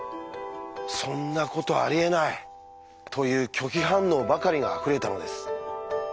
「そんなことありえない！」という拒否反応ばかりがあふれたのです。